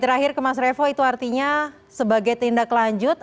terakhir ke mas revo itu artinya sebagai tindak lanjut